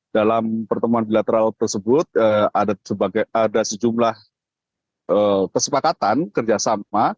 dalam pertemuan bilateral tersebut ada sejumlah kesepakatan kerjasama